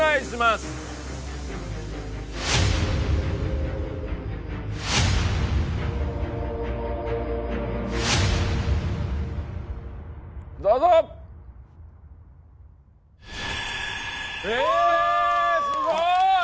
すごい！